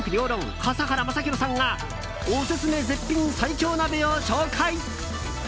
笠原将弘さんがオススメ絶品最強鍋を紹介！